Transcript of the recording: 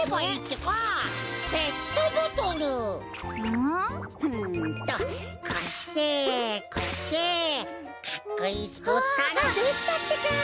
うんとこうしてこうやってかっこいいスポーツカーができたってか！